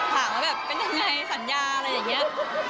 ถามว่าเป็นอย่างไรสัญญาอะไรอย่างนี้